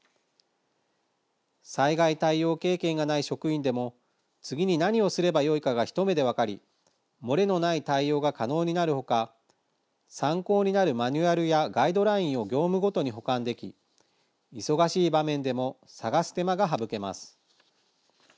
災害対応経験がない職員でも次に何をすればよいかが一目で分かり漏れのない対応が可能になる他参考になるマニュアルやガイドラインを業務ごとに保管でき忙しい場面でも探す手間が省けます。